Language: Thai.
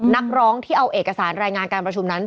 นักร้องที่เอาเอกสารรายงานการประชุมนั้น